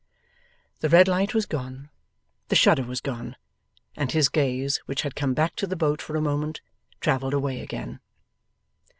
The red light was gone, the shudder was gone, and his gaze, which had come back to the boat for a moment, travelled away again.